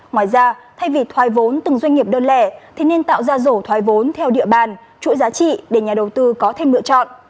ngoài ra thay vì thoái vốn từng doanh nghiệp đơn lẻ thì nên tạo ra rổ thoái vốn theo địa bàn chuỗi giá trị để nhà đầu tư có thêm lựa chọn